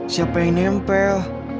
siapa yang nempel